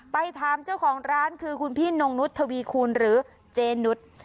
ไปถามเจ้าของร้านคือคุณพี่นงนุษย์ทวีคูณหรือเจนุส